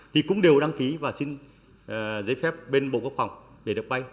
thì cũng đều đăng ký và xin giấy phép bên bộ quốc phòng để được vay